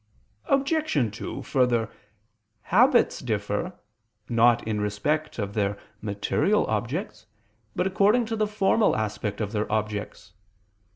Obj. 2: Further, habits differ, not in respect of their material objects, but according to the formal aspect of their objects.